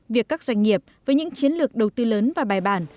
việc các doanh nghiệp với những chiến lược đầu tư lớn và bài bản